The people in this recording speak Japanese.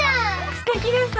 すてきです！